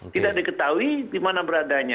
tidak diketahui dimana beradanya